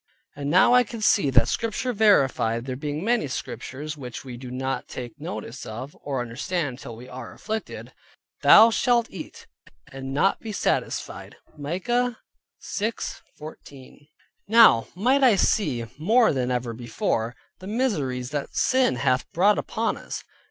And now could I see that Scripture verified (there being many Scriptures which we do not take notice of, or understand till we are afflicted) "Thou shalt eat and not be satisfied" (Micah 6.14). Now might I see more than ever before, the miseries that sin hath brought upon us.